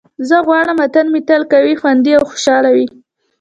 زه غواړم وطن مې تل قوي، خوندي او خوشحال وي.